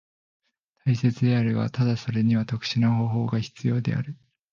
大切であるが、ただそれには特殊な方法が必要である。